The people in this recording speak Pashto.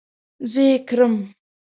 زه ئې کرم